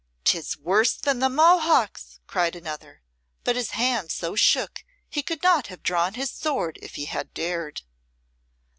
"'Tis worse than the Mohocks," cried another, but his hand so shook he could not have drawn his sword if he had dared.